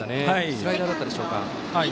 スライダーでしたでしょうか。